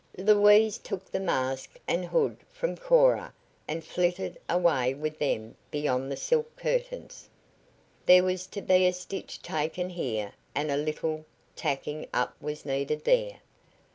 Louise took the mask and hood from Cora and flitted away with them beyond the silk curtains. There was to be a stitch taken here, and a little, tacking up was needed there.